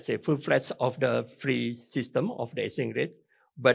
sebuah sistem asing yang bebas